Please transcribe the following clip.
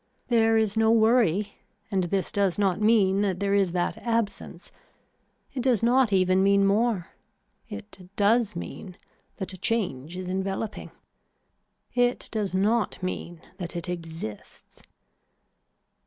There is no worry and this does not mean that there is that absence, it does not even mean more, it does mean that a change is enveloping. It does not mean that it exists.